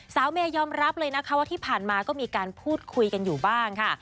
เมย์ยอมรับเลยนะคะว่าที่ผ่านมาก็มีการพูดคุยกันอยู่บ้างค่ะ